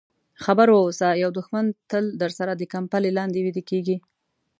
خبر واوسه یو دښمن تل درسره د کمپلې لاندې ویده کېږي.